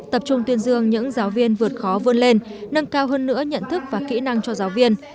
tập trung tuyên dương những giáo viên vượt khó vươn lên nâng cao hơn nữa nhận thức và kỹ năng cho giáo viên